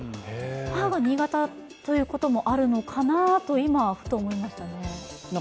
母が新潟ということもあるのかなと今、ふと思いましたね。